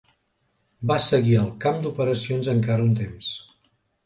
Va seguir al camp d'operacions encara un temps.